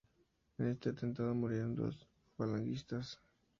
En este atentado murieron dos falangistas.